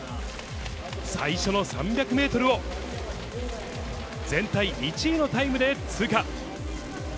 最初の３００メートルを、全体１位のタイムで通過。